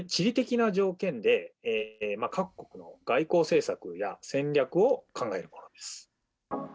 地政学とは国際地理的な条件で、各国の外交政策や戦略を考えるものです。